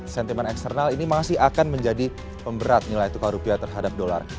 sentimen eksternal ini masih akan menjadi pemberat nilai tukar rupiah terhadap dolar